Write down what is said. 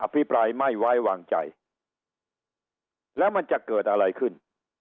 พิปรายไม่ไว้วางใจแล้วมันจะเกิดอะไรขึ้น